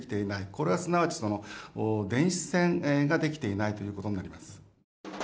これはすなわち電子戦ができていないということになります。